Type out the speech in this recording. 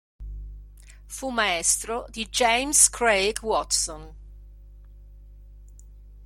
Fu maestro di James Craig Watson.